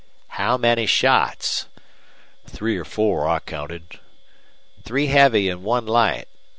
"How many shots?" "Three or four, I counted." "Three heavy an' one light.